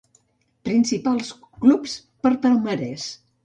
Principals clubs per palmarès.